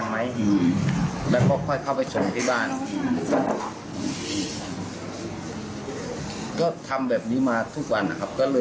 ไม่ไม่มีใครสังเกต